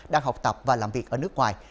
đang học tập và làm việc ở nước ngoài